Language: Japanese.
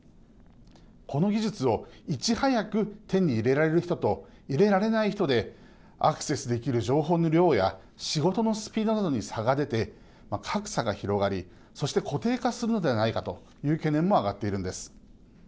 この技術を、いち早く手に入れられる人と入れられない人でアクセスできる情報の量や仕事のスピードなどに差が出て格差が広がりそして、固定化するのではないかという懸念も上がっているんです。